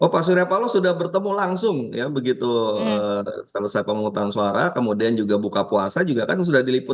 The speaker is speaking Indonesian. pak surya paloh sudah bertemu langsung ya begitu selesai pemungutan suara kemudian juga buka puasa juga kan sudah diliput